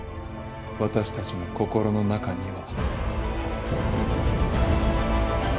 私たちの心の中には。